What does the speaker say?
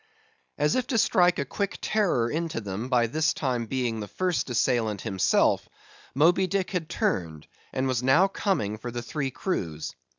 As if to strike a quick terror into them, by this time being the first assailant himself, Moby Dick had turned, and was now coming for the three crews.